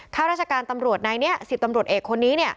ข้าราชการตำรวจในนี้๑๐ตำรวจเอกคนนี้